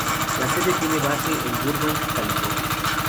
La sede tiene base en Burbank, California.